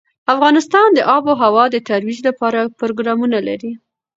افغانستان د آب وهوا د ترویج لپاره پروګرامونه لري.